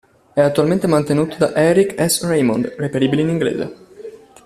È attualmente mantenuto da Eric S. Raymond, reperibile in inglese.